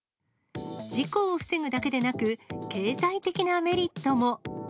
事故を防ぐだけでなく、経済的なメリットも。